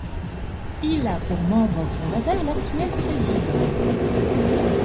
Il a pour membre fondateur l’actuel Président.